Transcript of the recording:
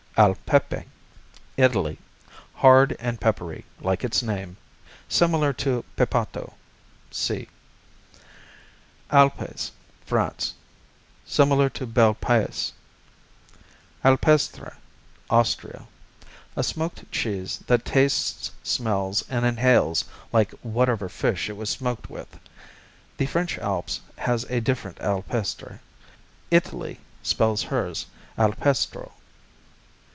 Al Pepe Italy Hard and peppery, like its name. Similar to Pepato (see). Alpes France Similar to Bel Paese. Alpestra Austria A smoked cheese that tastes, smells and inhales like whatever fish it was smoked with. The French Alps has a different Alpestre; Italy spells hers Alpestro.